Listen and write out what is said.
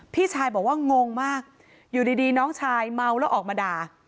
พี่ชายบอกว่างงมากอยู่ดีน้องชายเมาแล้วออกมาด่า